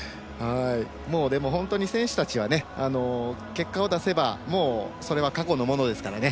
本当に選手たちは結果を出せばそれは過去のものですから。